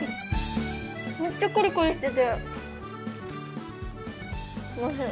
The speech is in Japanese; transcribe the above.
めっちゃコリコリしてておいしい。